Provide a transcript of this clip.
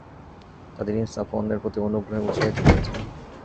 তাদের ইনসাফ ও অন্যের প্রতি অনুগ্রহে উৎসাহিত করছেন।